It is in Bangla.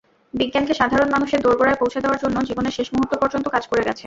বিজ্ঞানকে সাধারণ মানুষের দোরগোড়ায় পৌঁছে দেওয়ার জন্য জীবনের শেষ মুহূর্ত পর্যন্ত কাজ করে গেছেন।